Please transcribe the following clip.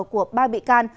của ba bị can